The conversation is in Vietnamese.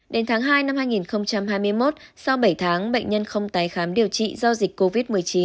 đến tháng hai năm hai nghìn hai mươi một sau bảy tháng bệnh nhân không tái khám điều trị do dịch covid một mươi chín